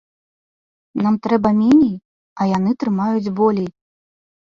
Нам трэба меней, а яны трымаюць болей.